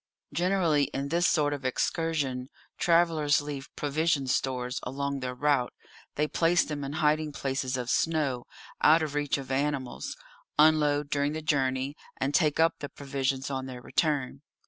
Generally in this sort of excursion travellers leave provision stores along their route; they place them in hiding places of snow, out of reach of animals; unload during the journey, and take up the provisions on their return.